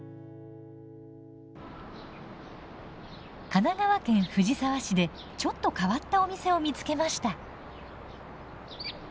神奈川県藤沢市でちょっと変わったお店を見つけました。